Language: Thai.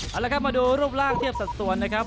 เอาละครับมาดูรูปร่างเทียบสัดส่วนนะครับ